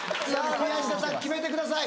宮下さん決めてください